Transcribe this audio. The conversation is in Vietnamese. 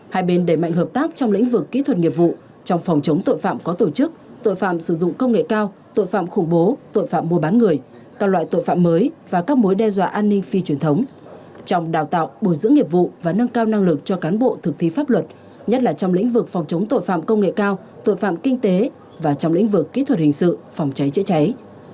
hai bên đẩy mạnh hợp tác trong lĩnh vực kỹ thuật nghiệp vụ trong phòng chống tội phạm có tổ chức tội phạm sử dụng công nghệ cao tội phạm khủng bố tội phạm mua bán người các loại tội phạm mới và các mối đe dọa an ninh phi truyền thống trong đào tạo bồi dưỡng nghiệp vụ và nâng cao năng lực cho cán bộ thực thi pháp luật nhất là trong lĩnh vực phòng chống tội phạm công nghệ cao tội phạm kinh tế và trong lĩnh vực kỹ thuật hình sự phòng cháy chữa cháy